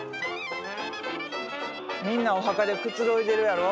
みんなお墓でくつろいでるやろ？